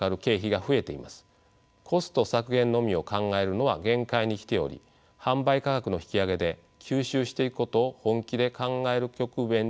コスト削減のみを考えるのは限界に来ており販売価格の引き上げで吸収していくことを本気で考える局面にあるといえます。